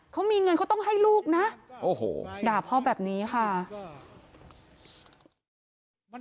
เขามีเงินเขาต้องให้ลูกนะ